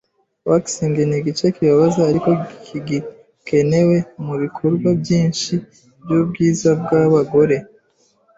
Waxing nigice kibabaza ariko gikenewe mubikorwa byinshi byubwiza bwabagore.